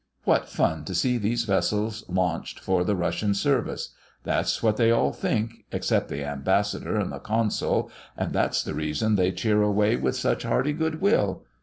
What fun to see these vessels launched for the Russian service! That's what they all think, except the Ambassador and the Consul, and that's the reason they cheer away with such hearty good will.